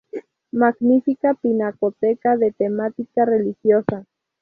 Magnífica pinacoteca de temática religiosa.